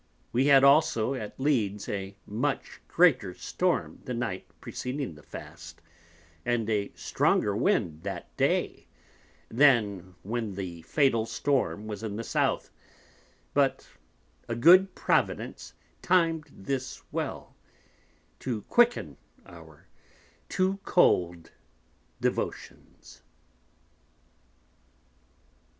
We had also at Leedes a much greater Storm the Night preceding the Fast, and a stronger Wind that Day, than when the fatal Storm was in the South; but a good Providence timed this well, to quicken our too cold Devotions.